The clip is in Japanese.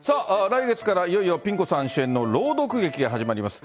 来月からいよいよピン子さん主演の朗読劇が始まります。